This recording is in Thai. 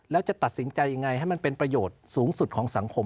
แล้วจะตัดสินใจยังไงให้มันเป็นประโยชน์สูงสุดของสังคม